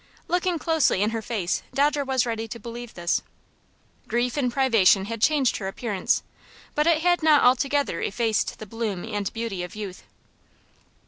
Looking closely in her face, Dodger was ready to believe this. Grief and privation had changed her appearance, but it had not altogether effaced the bloom and beauty of youth.